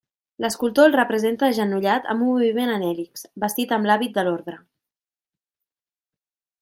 L'escultor el representa agenollat amb un moviment en hèlix, vestit amb l'hàbit de l'ordre.